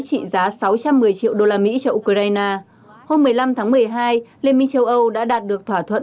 trị giá sáu trăm một mươi triệu đô la mỹ cho ukraine hôm một mươi năm tháng một mươi hai liên minh châu âu đã đạt được thỏa thuận